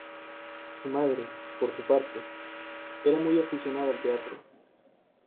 Su madre, por su parte, era muy aficionada al teatro.